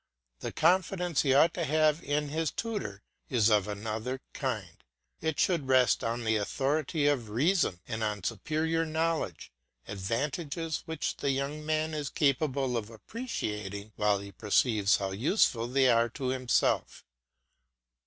The confidence he ought to have in his tutor is of another kind; it should rest on the authority of reason, and on superior knowledge, advantages which the young man is capable of appreciating while he perceives how useful they are to himself.